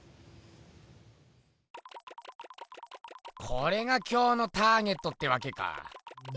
これが今日のターゲットってわけか。